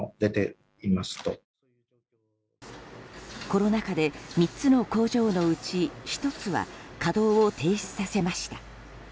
コロナ禍で、３つの工場のうち１つは稼働を停止させました。